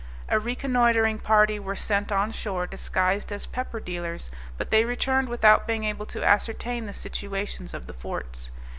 A reconnoitering party were sent on shore disguised as pepper dealers, but they returned without being able to ascertain the situations of the forts.